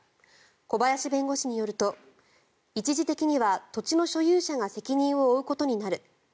小林弁護士によると一次的には土地の所有者が責任を負うことになる。